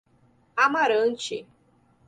Amarante